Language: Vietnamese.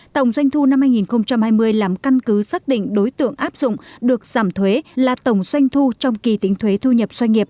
tổng doanh thu năm hai nghìn hai mươi làm căn cứ xác định đối tượng áp dụng được giảm thuế là tổng doanh thu trong kỳ tính thuế thu nhập doanh nghiệp